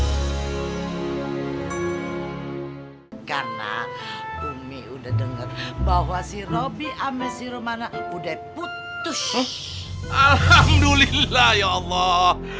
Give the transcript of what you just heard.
hai karena umi udah denger bahwa si robby amir romana udah putus alhamdulillah ya allah